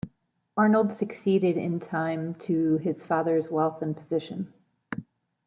Arnold succeeded in time to his father's wealth and position.